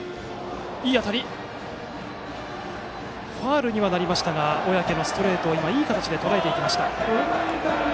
ファウルにはなりましたが小宅のストレートをいい形でとらえました。